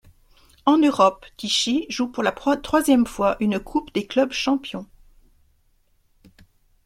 En Europe, Tichý joue pour la troisième fois une Coupe des clubs champions.